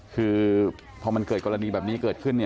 คือพอมันเกิดกรณีแบบนี้เกิดขึ้น